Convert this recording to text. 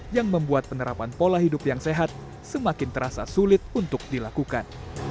yang membuat penerapan pola hidup yang sehat semakin terasa sulit untuk dilakukan